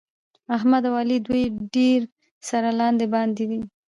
احمد او علي دوی ډېر سره لاندې باندې دي.